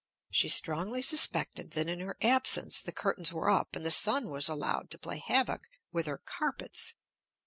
She strongly suspected that in her absence the curtains were up and the sun was allowed to play havoc with her carpets.